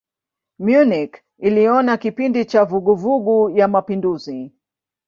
Munich iliona kipindi cha vuguvugu ya mapinduzi.